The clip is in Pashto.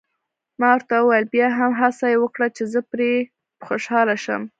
ما ورته وویل: بیا هم هڅه یې وکړه، چې زه پرې خوشحاله شم.